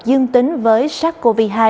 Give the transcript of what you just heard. dương tính với sars cov hai